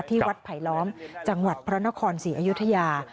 วัดไผลล้อมจังหวัดพระนครศรีอยุธยา